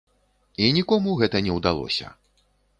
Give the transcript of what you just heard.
І нікому гэта не ўдалося.